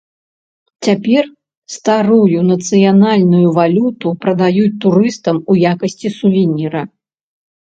Цяпер старую нацыянальную валюту прадаюць турыстам у якасці сувеніра.